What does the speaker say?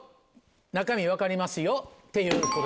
中身分かりますよっていうこと。